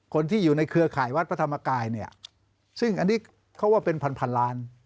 คนที่อยู่ในเครือข่ายวัดพระธรรมกายเนี่ยซึ่งอันนี้เขาว่าเป็นพันพันล้าน